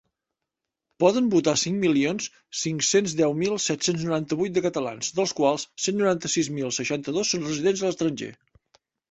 Poden votar cinc milions cinc-cents deu mil set-cents noranta-vuit de catalans, dels quals cent noranta-sis mil seixanta-dos són residents a l’estranger.